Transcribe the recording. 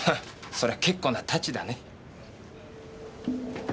そりゃ結構なタチだね。